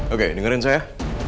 oke dengerin saya ya